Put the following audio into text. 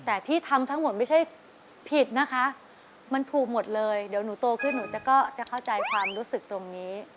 แต่ที่ทำทั้งหมดไม่ใช่ผิดนะคะมันถูกหมดเลยเดี๋ยวหนูโตขึ้นหนูจะก็จะเข้าใจความรู้สึกตรงนี้